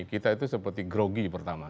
kita itu seperti grogi pertama